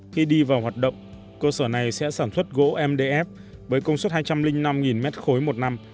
khi đi vào hoạt động cơ sở này sẽ sản xuất gỗ mdf với công suất hai trăm linh năm m ba một năm